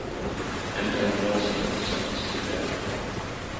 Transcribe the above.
Anton Nilson was sentenced to death.